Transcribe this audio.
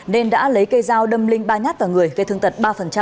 nên đã lấy cây dao đâm linh ba nhát vào người gây thương tật ba